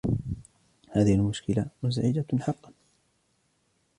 هذه المشكلة مزعجة حقًّا.